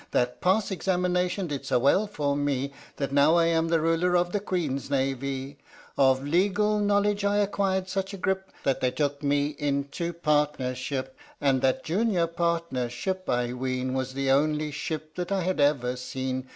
That pass examination did so well for me That now I am the Ruler of the Queen's Navee. Of legal knowledge I acquired such a grip, That they took me into partnership, And that junior partnership I ween Was the only ship that I had ever seen.